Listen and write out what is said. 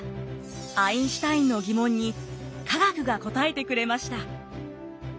アインシュタインの疑問に科学が答えてくれました。